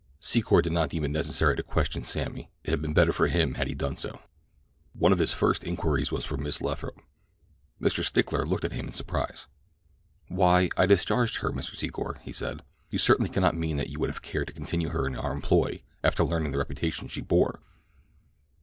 Secor did not deem it necessary to question Sammy—it had been better for him had he done so. One of his first inquiries was for Miss Lathrop. Mr. Stickler looked at him in surprise. "Why, I discharged her, Mr. Secor," he said. "You certainly cannot mean that you would have cared to continue her in our employ after learning the reputation she bore?"